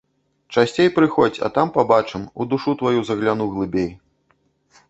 Часцей прыходзь, а там пабачым, у душу тваю загляну глыбей.